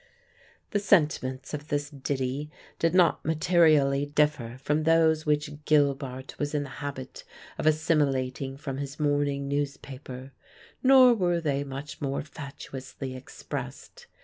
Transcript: The sentiments of this ditty did not materially differ from those which Gilbart was in the habit of assimilating from his morning newspaper; nor were they much more fatuously expressed.